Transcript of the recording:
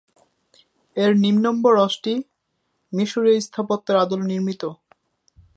এর নিম্নম্বরশটি মিশরীয় স্থাপত্যের আদলে নির্মিত।